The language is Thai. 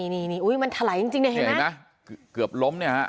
นี่อุ้ยมันถลายจริงเนี่ยเห็นไหมเกือบล้มเนี่ยฮะ